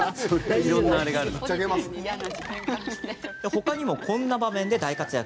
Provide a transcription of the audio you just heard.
他にもこんな場面で大活躍。